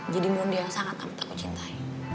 jadi mondi yang sangat kamu cintai